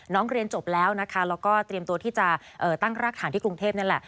เรียนจบแล้วนะคะแล้วก็เตรียมตัวที่จะตั้งรากฐานที่กรุงเทพนั่นแหละ